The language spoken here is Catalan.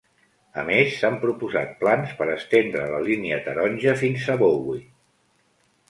A més, s'han proposat plans per estendre la línia Taronja fins a Bowie.